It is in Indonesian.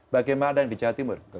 bagaimana yang di jawa timur